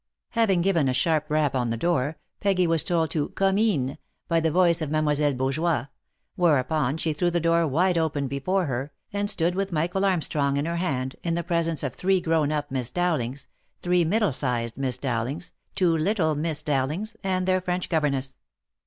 Having given a sharp rap on the door, Peggy was told to " com een," by the voice of Mademoiselle Beaujoie; whereupon she threw the door wide open before her, and stood with Michael Armstrong in her hand, in the presence of three grown up Miss Dowlings, three middle sized Miss Dowlings, two little Miss Dowlings, and their French governess.